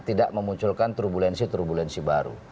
tidak memunculkan turbulensi turbulensi baru